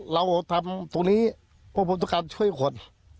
เราทำตรงนี้เพิ่มทุกครั้งช่วยคน